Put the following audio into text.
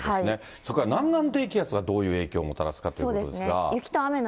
それから南岸低気圧がどういう影響をもたらすかということですが。